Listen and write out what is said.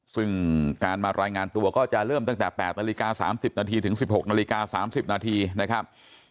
ซึ่งการมารายงานตัวก็จะเริ่มตั้งแต่๘น๓๐นถึง๑๖น๓๐นนะครับ